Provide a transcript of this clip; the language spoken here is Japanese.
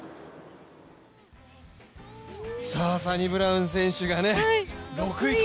サニブラウン選手が６位と。